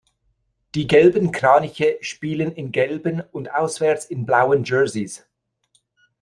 Die "Gelben Kraniche" spielen in gelben und auswärts in blauen Jerseys.